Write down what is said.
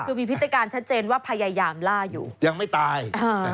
คือมีพฤติการชัดเจนว่าพยายามล่าอยู่ยังไม่ตาย